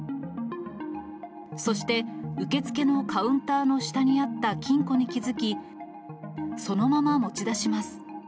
そして、受付のカウンターの下にあった金庫に気付き、そのまま持ち出します。